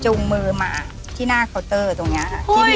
จุงมือมาที่หน้าเคาเตอร์ตรงนี้